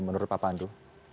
menurut pak pandu